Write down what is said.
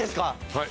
はい。